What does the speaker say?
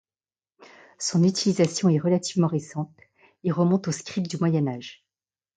Son utilisation est relativement récente et remonte aux scribes du Moyen Âge.